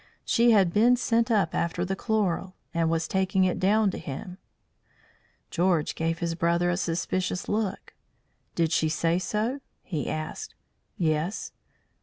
She had been sent up after the chloral, and was taking it down to him." George gave his brother a suspicious look. "Did she say so?" he asked. "Yes."